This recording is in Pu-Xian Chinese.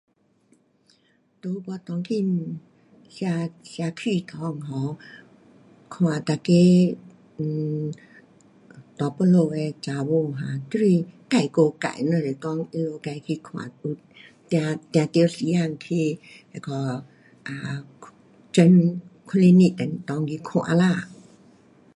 在我当今社，社区内 um 看每个 um 大肚子的女孩哈都是自顾自，只是讲她们自去看，定，定得时间去那个诊，clinic 内去看啦。